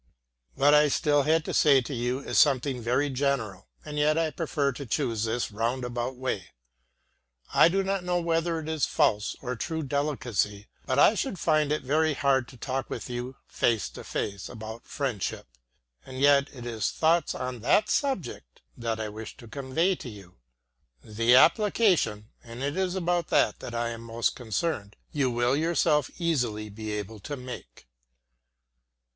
What I still had to say to you is something very general, and yet I prefer to choose this roundabout way. I do not know whether it is false or true delicacy, but I should find it very hard to talk with you, face to face, about friendship. And yet it is thoughts on that subject that I wish to convey to you. The application and it is about that I am most concerned you will yourself easily be able to make.